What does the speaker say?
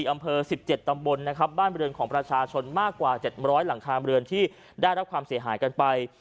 อำเภอ๑๗ตำบลนะครับบ้านบริเวณของประชาชนมากกว่า๗๐๐หลังคาเรือนที่ได้รับความเสียหายกันไป